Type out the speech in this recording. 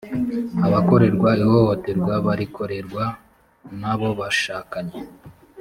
abakorerwa ihohoterwa barikorerwa nabobashakanye